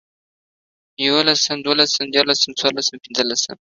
يوولسم، دوولسم، ديارلسم، څلورلسم، پنځلسم